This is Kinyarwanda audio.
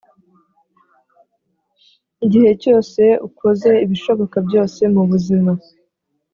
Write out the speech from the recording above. igihe cyose ukoze ibishoboka byose mubuzima,